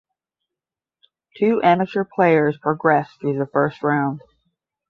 Two amateur players progressed through the first round.